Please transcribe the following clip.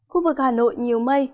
khu vực hà nội nhiều mây